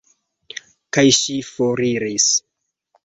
Kaj ŝi foriris.